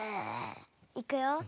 いくよ。